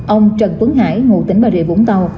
ông trần tuấn hải ngụ tỉnh bà rịa vũng tàu